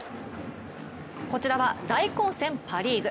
こちらは大混戦パ・リーグ。